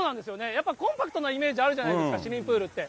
やっぱりコンパクトなイメージあるじゃないですか、市民プールって。